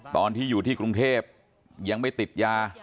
ตอนที่อยู่ที่กรุงเทพยังไม่ติดยา